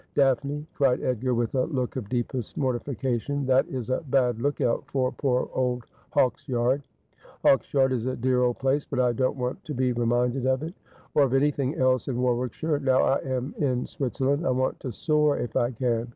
' Daphne,' cried Edgar, with a look of deepest mortification, ' that is a bad look out for poor old Hawksyard.' ' Hawksyard is a dear old place, but I don't want to be re minded of it — or of anything else in Warwickshire — now I am in Switzerland. I want to soar, if I can.